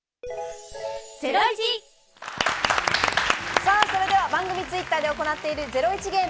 さあ、それでは番組Ｔｗｉｔｔｅｒで行っているゼロイチゲーム